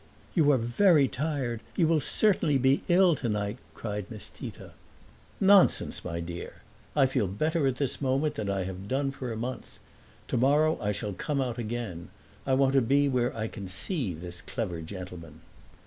"You are very tired; you will certainly be ill tonight!" cried Miss Tita. "Nonsense, my dear; I feel better at this moment than I have done for a month. Tomorrow I shall come out again. I want to be where I can see this clever gentleman."